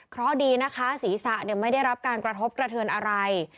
เพราะดีนะคะศีรษะไม่ได้รับการกระทบกระเทินอะไร